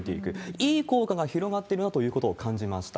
いい効果が広がってるなということを感じました。